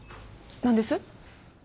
何です？